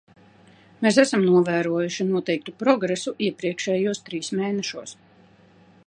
Mēs esam novērojuši noteiktu progresu iepriekšējos trīs mēnešos.